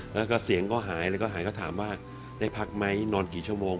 แล้วก็เสียงก็หายแล้วก็หายก็ถามว่าได้พักไหมนอนกี่ชั่วโมง